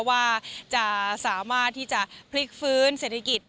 ว่าจะสามารถที่จะพลิกฟื้นเศรษฐกิจ